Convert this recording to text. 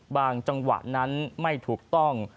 จังหวะนั้นไม่ถูกต้อง